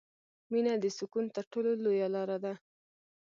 • مینه د سکون تر ټولو لویه لاره ده.